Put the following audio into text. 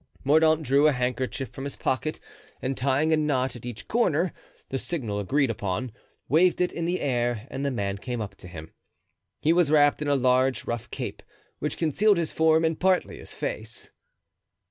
Mordaunt drew a handkerchief from his pocket, and tying a knot at each corner—the signal agreed upon—waved it in the air and the man came up to him. He was wrapped in a large rough cape, which concealed his form and partly his face.